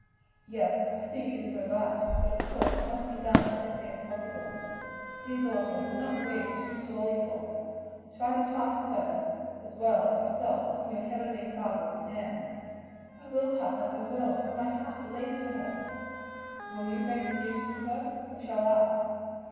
"Yes; I think it is her right. But of course it must be done as gently as possible. Dear daughter, do not grieve too sorely for her; try to trust her as well as yourself in your heavenly Father's hands." "I will, papa, I will! but oh my heart bleeds for her!" "Will you break the news to her? or shall I?"